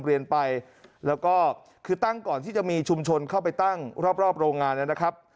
แล้วก็คือตั้งก่อนที่จะมีชุมชนเข้าไปตั้งรอบโรงงานแล้วนะครับ